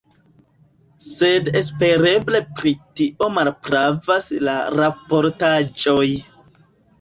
Sed espereble pri tio malpravas la raportaĵoj.